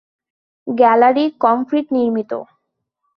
Gallery concrete নির্মিত।